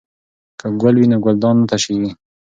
که ګل وي نو ګلدان نه تشیږي.